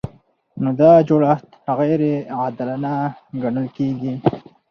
نو دا جوړښت غیر عادلانه ګڼل کیږي.